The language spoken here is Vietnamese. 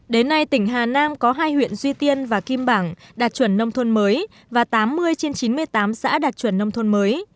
đến nay tỉnh hà nam có hai huyện duy tiên và kim bảng đạt chuẩn nông thôn mới và tám mươi trên chín mươi tám xã đạt chuẩn nông thôn mới